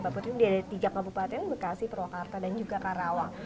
mbak putri ada tiga kabupaten bekasi purwakarta dan juga karawang